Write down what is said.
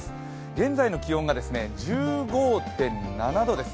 現在の気温が１５．７度です。